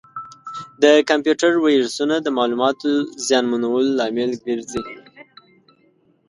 د کمپیوټر ویروسونه د معلوماتو زیانمنولو لامل ګرځي.